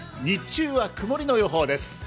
日中は曇りの予報です。